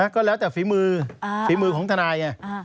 ก็แล้วแต่ฝีมือฝีมือของทนายไง